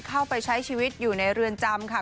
เข้าไปใช้ชีวิตอยู่ในเรือนจำค่ะ